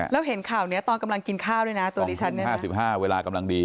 แล้วเห็นข่าวนี้ตอนกำลังกินข้าวด้วยนะตัวดิฉัน๕๕เวลากำลังดี